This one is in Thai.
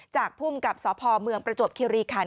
ภูมิกับสพเมืองประจวบคิริคัน